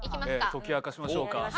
解き明かしましょうか。